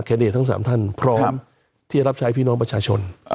เดตทั้ง๓ท่านพร้อมที่รับใช้พี่น้องประชาชน